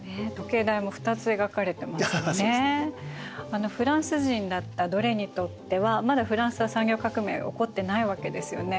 あのフランス人だったドレにとってはまだフランスは産業革命は起こってないわけですよね。